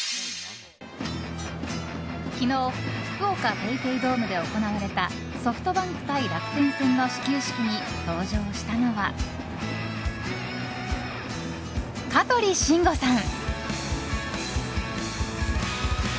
昨日福岡ＰａｙＰａｙドームで行われたソフトバンク対楽天戦の始球式に登場したのは香取慎吾さん！